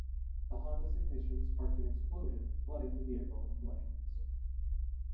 The Honda's ignition sparked an explosion, flooding the vehicle in flames.